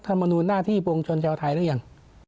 ธรรมดุลหน้าที่บงชนเจ้าไทยหรือยัง